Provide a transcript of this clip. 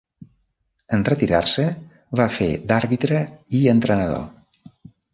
En retirar-se va fer d'àrbitre i entrenador.